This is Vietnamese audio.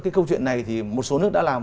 cái câu chuyện này thì một số nước đã làm